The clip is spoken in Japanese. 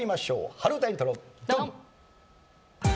春うたイントロドン！